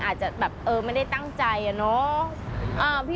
อาจจะแบบเออไม่ได้ตั้งใจ